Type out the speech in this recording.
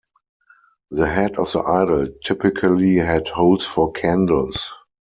The head of the idol typically had holes for candles.